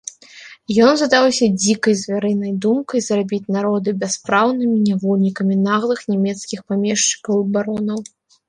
Ён задаўся дзікай звярынай думкай зрабіць народы бяспраўнымі нявольнікамі наглых нямецкіх памешчыкаў і баронаў.